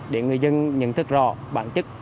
để người dân nhận thức rõ bản chức